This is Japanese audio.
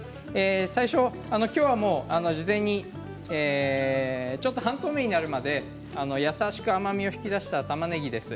最初、今日は事前にちょっと半透明になるまで優しく甘みを引き出したたまねぎです。